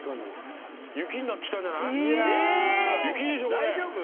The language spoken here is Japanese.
雪でしょ、これ！